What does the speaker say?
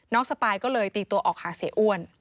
สปายก็เลยตีตัวออกหาเสียอ้วน